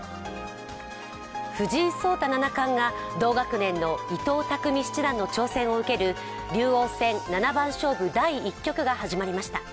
藤井聡太七冠が同学年の伊藤匠七段の挑戦を受ける竜王戦七番勝負第１局が始まりました。